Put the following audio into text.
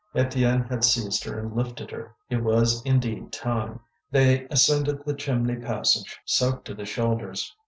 Étienne had seized her and lifted her; it was, indeed, time. They ascended the chimney passage, soaked to the shoulders.